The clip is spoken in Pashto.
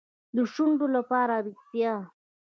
د شونډو لپاره ریښتیا.